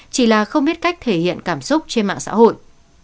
chỉ là không biết cách thể hiện cảm xúc trên mạng xã hội